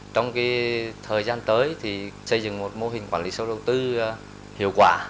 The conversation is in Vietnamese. trong thời gian tới xây dựng một mô hình quản lý sâu đầu tư hiệu quả